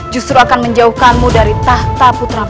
justru akan menjauhkanmu dari tahta putra